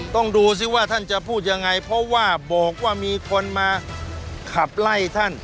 ต้องดูสิว่าท่านจะพูดยังไงเพราะว่าบอกว่ามีคนมาขับไล่ท่าน